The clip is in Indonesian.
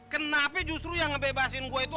kenapa justru yang ngebebasin gue itu